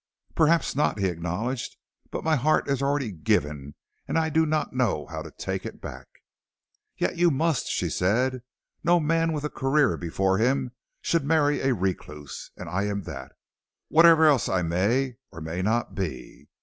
"Perhaps not," he acknowledged, "but my heart is already given and I do not know how to take it back." "Yet you must," said she. "No man with a career before him should marry a recluse, and I am that, whatever else I may or may not be.